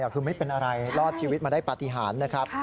คือไม่เป็นอะไรรอดชีวิตมาได้ปฏิหารนะครับ